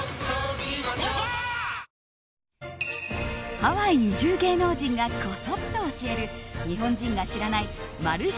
ハワイ移住芸能人がコソッと教える日本人が知らないマル秘